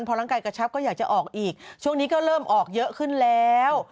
พอร่างกายกระชับก็อยากจะออกอีกช่วงนี้ก็เริ่มออกเยอะขึ้นแล้ว